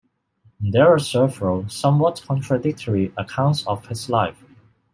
There are several, somewhat contradictory, accounts of his life.